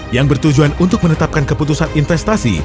yang bertujuan untuk menetapkan keputusan investasi